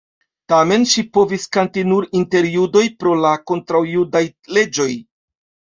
Tamen ŝi povis kanti nur inter judoj pro la kontraŭjudaj leĝoj.